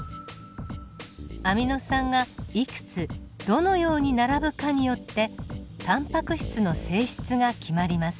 アミノ酸がいくつどのように並ぶかによってタンパク質の性質が決まります。